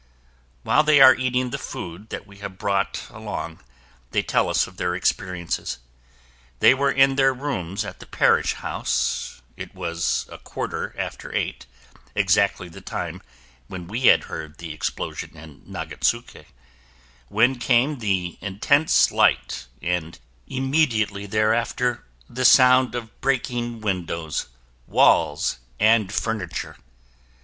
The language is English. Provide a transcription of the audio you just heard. While they are eating the food that we have brought along, they tell us of their experiences. They were in their rooms at the Parish House it was a quarter after eight, exactly the time when we had heard the explosion in Nagatsuke when came the intense light and immediately thereafter the sound of breaking windows, walls and furniture.